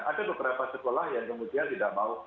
ada beberapa sekolah yang kemudian tidak mau